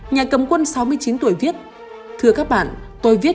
nhà cầm quân sáu mươi chín tuổi viết